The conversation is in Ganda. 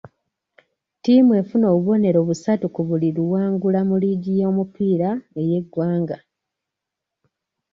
Ttiimu efuna obubonero busatu ku buli luwangula mu liigi y'omupiira ey'eggwanga.